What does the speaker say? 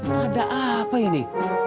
ada apa ini